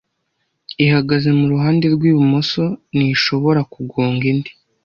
ihagaze mu ruhande rw ibumoso nishobora kugonga indi